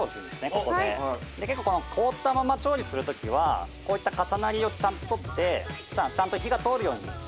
ここで結構この凍ったまま調理するときはこういった重なりをちゃんと取ってちゃんと火が通るように注意した方がいいですね